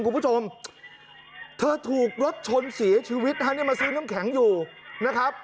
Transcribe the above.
คุณผู้ชมเธอถูกรถชนเสียชีวิตฮะเนี่ยมาซื้อน้ำแข็งอยู่นะครับ